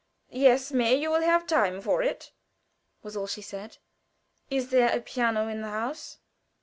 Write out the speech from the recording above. "Yes, May; you will have time for it," was all she said. "Is there a piano in the house?"